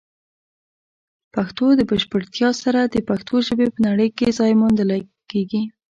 د پښتو د بشپړتیا سره، د پښتو ژبې په نړۍ کې ځای موندل کیږي.